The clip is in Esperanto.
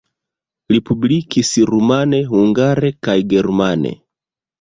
Li publikis rumane, hungare kaj germane.